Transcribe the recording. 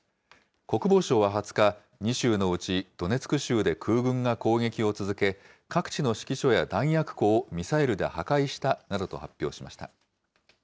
国防省は２０日、２州のうちドネツク州で空軍が攻撃を続け、各地の指揮所や弾薬庫をミサイルで破壊したなどと発表しました。